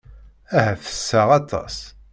Ahat ttesseɣ aṭas.